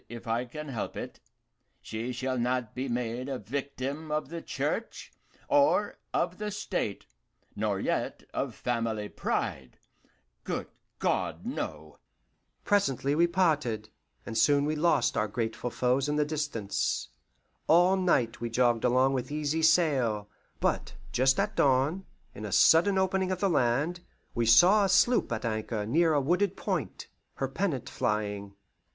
If I can help it, she shall not be made a victim of the Church or of the State, nor yet of family pride good God, no!" Presently we parted, and soon we lost our grateful foes in the distance. All night we jogged along with easy sail, but just at dawn, in a sudden opening of the land, we saw a sloop at anchor near a wooded point, her pennant flying.